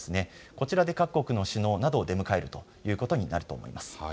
こちらで各国の首脳などを出迎えるということになると思います。